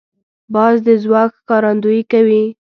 باز د ځواک ښکارندویي کوي